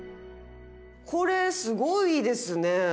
これすごいですねえ！